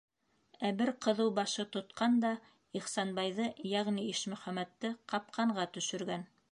Ә бер ҡыҙыу башы тотҡан да Ихсанбайҙы, йәғни Ишмөхәмәтте, «Ҡапҡан»ға төшөргән...